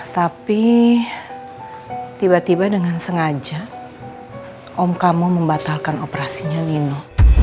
tapi tiba tiba dengan sengaja om kamu membatalkan operasinya nino